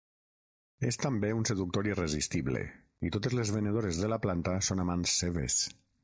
És també un seductor irresistible i totes les venedores de la planta són amants seves.